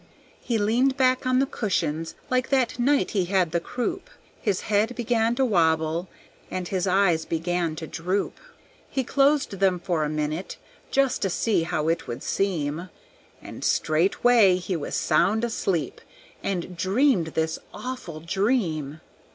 He leaned back on the cushions like that night he had the croup; His head began to wobble and his eyes began to droop; He closed them for a minute, just to see how it would seem, And straightway he was sound asleep, and dreamed this awful dream!